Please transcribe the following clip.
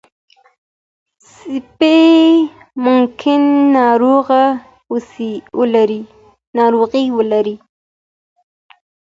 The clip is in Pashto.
سپي ممکن ناروغي ولري.